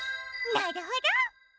なるほど！